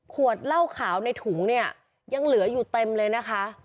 ขวดเหล้าขาวในถุงเนี่ยยังเหลืออยู่เต็มเลยนะคะ